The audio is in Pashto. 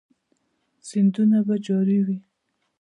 سیندونه به جاری وي؟